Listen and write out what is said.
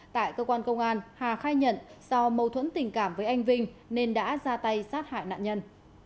tại cơ quan công an hà khai nhận do mâu thuẫn tình cảm với anh vinh nên đã ra tay sát hại nạn nhân